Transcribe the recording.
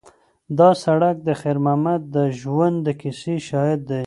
دا سړک د خیر محمد د ژوند د کیسې شاهد دی.